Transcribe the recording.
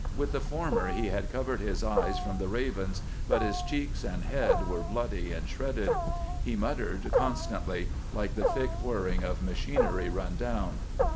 With the former he had covered his eyes from the ravens, but his cheeks and head were bloody and shredded. He muttered constantly, like the thick whirring of machinery run down.